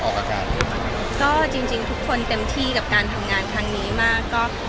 ก็จริงจริงทุกคนเต็มที่กับการทำงานครั้งนี้มากก็